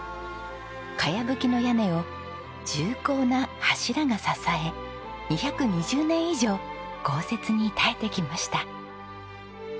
かやぶきの屋根を重厚な柱が支え２２０年以上豪雪に耐えてきました。